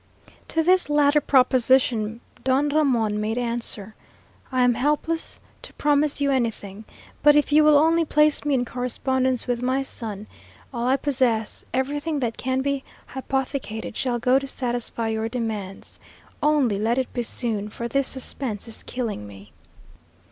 To this latter proposition Don Ramon made answer, "I am helpless to promise you anything, but if you will only place me in correspondence with my son, all I possess, everything that can be hypothecated shall go to satisfy your demands. Only let it be soon, for this suspense is killing me."